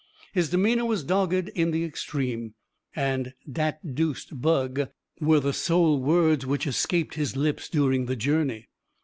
His demeanor was dogged in the extreme, and "dat deuced bug" were the sole words which escaped his lips during the journey.